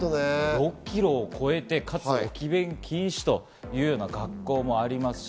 ６ｋｇを超えて、かつ置き勉禁止という学校もありますし。